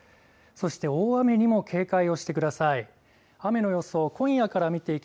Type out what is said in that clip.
そして大雨にも警戒をしてください。